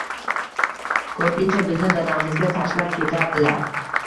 Ko‘pincha bizni dadamizga tashlab ketardilar.